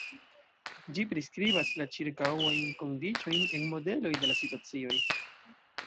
Ĝi priskribas la ĉirkaŭajn kondiĉojn en modeloj de la situacioj.